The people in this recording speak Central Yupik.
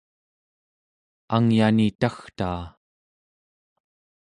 angyani tagtaa